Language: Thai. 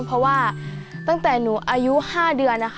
เพราะว่าตั้งแต่หนูอายุ๕เดือนนะคะ